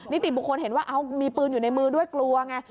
นิติบุคคลเห็นว่ามีปืนอยู่ในมือด้วยกลัวไง